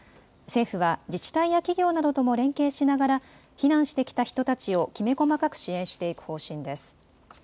政府は自治体や企業とも連携しながら避難してきた人たちをきめ細かく支援していく方針です。